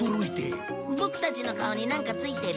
ボクたちの顔になんかついてる？